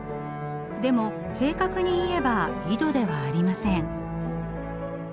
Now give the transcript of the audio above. でも正確に言えば井戸ではありません。